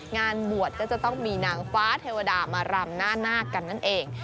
งานบวชก็จะต้องมีนางฟ้าเทวดามารำหน้าหน้ากันนั่นเอง